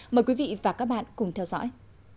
mời quý vị và các bạn cùng theo dõi